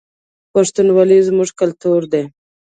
پښتونولي زموږ کلتور دی